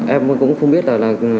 em cũng không biết là